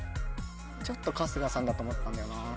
ちょっと春日さんだと思ったんだよなぁ。